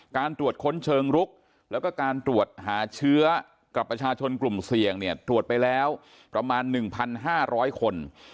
การตรวจค้นเชิงลุกแล้วก็การตรวจหาเชื้อกับประชาชนกลุ่มเสี่ยงเนี่ยตรวจไปแล้วประมาณ๑๕๐๐คน